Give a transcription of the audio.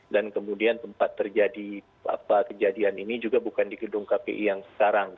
kemudian tempat terjadi kejadian ini juga bukan di gedung kpi yang sekarang